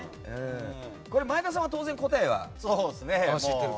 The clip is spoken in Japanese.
前田さんは当然、答えは知ってる？